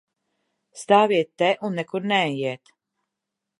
Stāviet te un nekur neejiet!